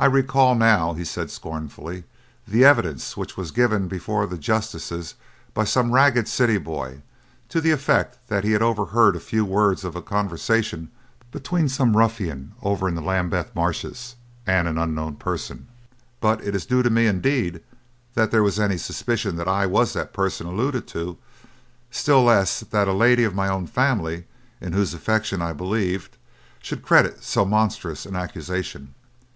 "I recall now," he said scornfully, "the evidence which was given before the justices by some ragged city boy, to the effect that he had overheard a few words of a conversation between some ruffian over in the Lambeth marshes, and an unknown person; but it is new to me indeed that there was any suspicion that I was the person alluded to, still less that a lady of my own family, in whose affection I believed, should credit so monstrous an accusation."